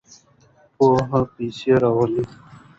پوهه پیسې راوړي.